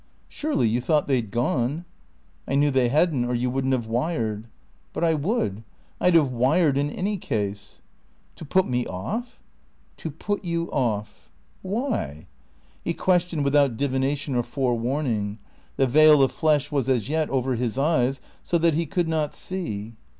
"Surely you thought they'd gone?" "I knew they hadn't or you wouldn't have wired." "But I would. I'd have wired in any case." "To put me off?" "To put you off." "Why?" He questioned without divination or forewarning. The veil of flesh was as yet over his eyes, so that he could not see.